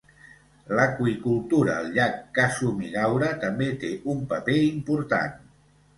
L'aqüicultura al llac Kasumigaura també té un paper important.